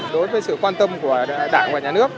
đối với sự quan tâm của đảng và nhà nước